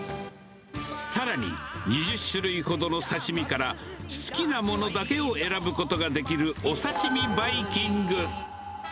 さらに、２０種類ほどの刺身から、好きなものだけを選ぶことができるお刺身バイキング。